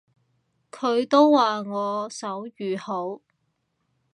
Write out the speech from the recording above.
佢都話我手語好